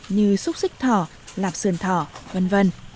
như xúc xích thỏ làm sườn thỏ v v